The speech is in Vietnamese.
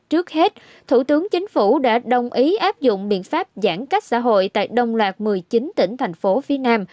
trước hết thủ tướng chính phủ đã đồng ý áp dụng biện pháp giãn cách xã hội tại đông loạt một mươi chín tỉnh thành phố phía nam